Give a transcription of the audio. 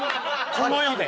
この世で？